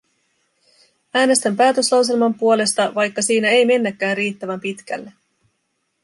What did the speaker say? Äänestän päätöslauselman puolesta, vaikka siinä ei mennäkään riittävän pitkälle.